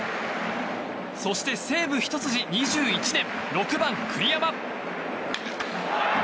そして、西武ひと筋２１年６番、栗山。